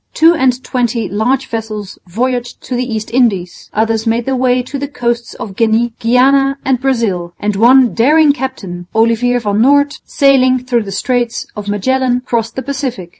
Two and twenty large vessels voyaged to the East Indies; others made their way to the coasts of Guinea, Guiana and Brazil; and one daring captain, Olivier van Noort, sailing through the Straits of Magellan, crossed the Pacific.